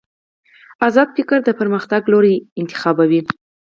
ازاد فکر د پرمختګ لوری ټاکي.